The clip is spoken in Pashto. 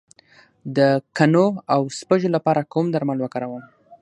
د کنو او سپږو لپاره کوم درمل وکاروم؟